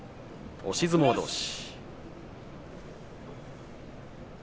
押し相撲どうし。